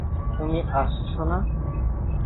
তুমি আসছো না?